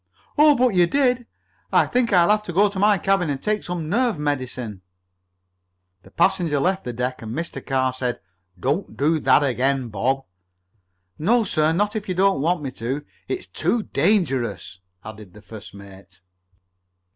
"Oh, but you did! I think I'll have to go to my cabin and take some nerve medicine." The passenger left the deck, and Mr. Carr said: "Don't do that again, Bob." "No, sir; not if you don't want me to." "It's too dangerous," added the first mate.